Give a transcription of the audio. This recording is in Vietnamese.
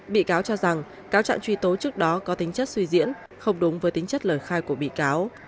bị cáo cho rằng cáo trạng truy tố trước đó có tính chất suy diễn không đúng với tính chất lời khai của bị cáo